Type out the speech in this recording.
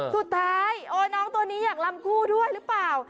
สุดท้ายโอ้น้องตัวนี้อยากลำคู่ด้วยหรือเปล่า